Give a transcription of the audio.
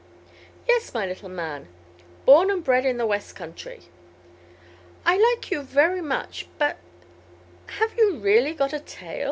"Yes, my little man; born and bred in the West country." "I like you very much; but have you really got a tail?"